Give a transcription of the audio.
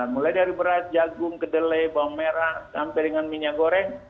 mulai dari beras jagung kedelai bawang merah sampai dengan minyak goreng